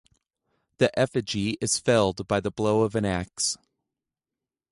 The effigy is felled by the blow of an axe.